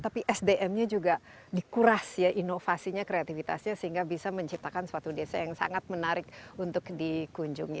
tapi sdm nya juga dikuras ya inovasinya kreativitasnya sehingga bisa menciptakan suatu desa yang sangat menarik untuk dikunjungi